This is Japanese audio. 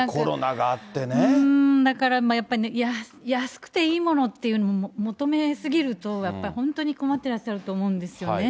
だから安くていいものっていうのを求め過ぎると、やっぱり本当に困ってらっしゃると思うんですよね。